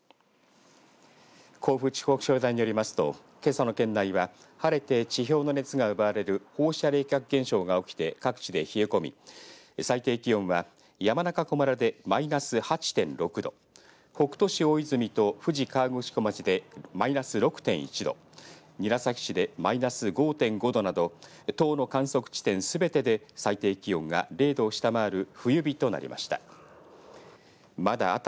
甲府地方気象台によりますとけさの県内は晴れて地表の熱が奪われる放射冷却現象が起きて各地で冷え込み最低気温は山中湖村でマイナス８．６度北杜市大泉と富士河口湖町でマイナス６．１度韮崎市でマイナス５．５度など１０の観測地点、すべてで最低気温が０度を下回る冬日となりました。